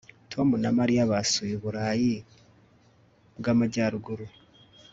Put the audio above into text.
Tom na Mariya basuye Uburayi bwAmajyaruguru